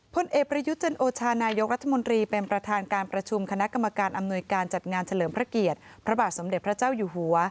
พลเอกประยุทธ์จันโอชานายกรัฐมนตรีเป็นประธานการประชุมคณะกรรมการอำนวยการจัดงานเฉลิมพระเกียรติพระบาทสมเด็จพระเจ้าอยู่หัว